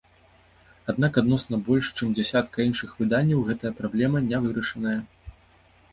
Аднак адносна больш чым дзясятка іншых выданняў гэтая праблема не вырашаная.